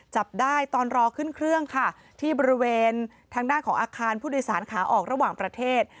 จับได้ตอนรอขึ้นเครื่องค่ะที่บริเวณทางด้านของอาคารผู้โดยสารขาออกระหว่างประเทศ